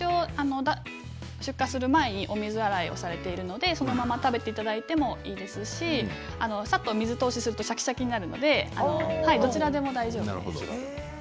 出荷する前にお水洗いされているのでそのまま食べていただいてもいいですしさっと水通しをするとシャキシャキになるのでどちらでも大丈夫です。